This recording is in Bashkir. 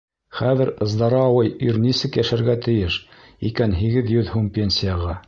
Хәҙер здарауай ир нисек йәшәргә тейеш икән һигеҙ йөҙ һум пенсияға?